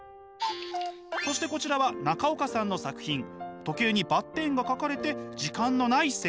そしてこちらは時計にバッテンが描かれて「時間のない世界」。